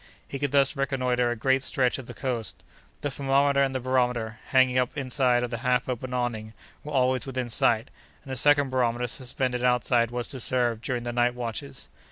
He could thus reconnoitre a greater stretch of the coast. The thermometer and the barometer, hanging up inside of the half opened awning, were always within sight, and a second barometer suspended outside was to serve during the night watches.